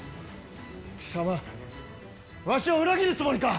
貴様、わしを裏切るつもりか。